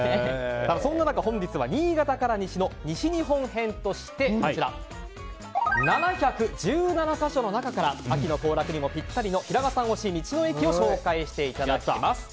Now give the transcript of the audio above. そんな中、本日は新潟から西の西日本編として７１７か所の中から秋の行楽にもピッタリの平賀さん推し道の駅を紹介していただきます。